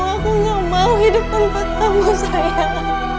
aku gak mau hidup tanpa kamu sayang